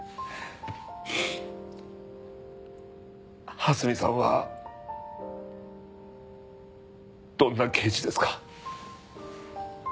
蓮見さんはどんな刑事ですか？